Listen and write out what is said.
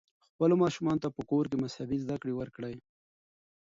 خپلو ماشومانو ته په کور کې مذهبي زده کړې ورکړئ.